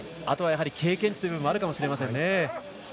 あとはやはり経験値という部分もあるかもしれません。